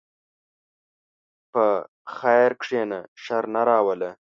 په خیر کښېنه، شر نه راوله.